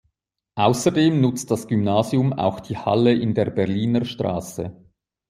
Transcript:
Außerdem nutzt das Gymnasium auch die Halle in der Berliner Straße.